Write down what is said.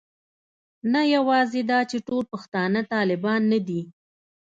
نه یوازې دا چې ټول پښتانه طالبان نه دي.